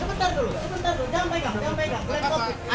sebentar dulu sebentar dulu jangan pegang jangan pegang